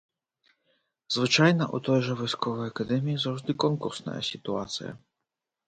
Звычайна, у той жа вайсковай акадэміі заўжды конкурсная сітуацыя.